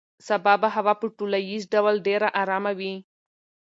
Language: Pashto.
سبا به هوا په ټولیز ډول ډېره ارامه وي.